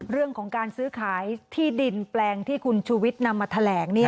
เรื่องของการซื้อขายที่ดินแปลงที่คุณชูวิทย์นำมาแถลง